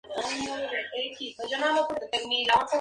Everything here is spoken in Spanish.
Es de menor importancia para las pesquerías comerciales.